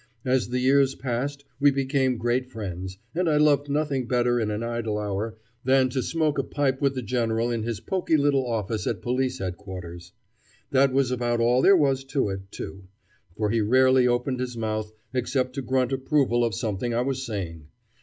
As the years passed we became great friends, and I loved nothing better in an idle hour than to smoke a pipe with the General in his poky little office at Police Headquarters. That was about all there was to it, too, for he rarely opened his mouth except to grunt approval of something I was saying.